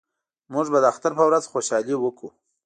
موږ به د اختر په ورځ خوشحالي وکړو